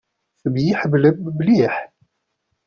Temyiḥmalem mliḥ?